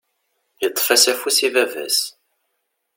Yeṭṭef-as afus i baba-s.